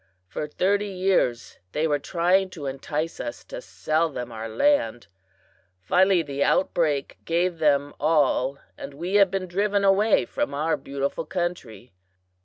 For thirty years they were trying to entice us to sell them our land. Finally the outbreak gave them all, and we have been driven away from our beautiful country.